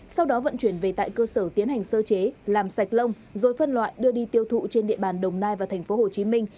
sau đó vận chuyển về tại cơ sở tiến hành sơ chế làm sạch lông rồi phân loại đưa đi tiêu thụ trên địa bàn đồng nai và thành phố hồ chí minh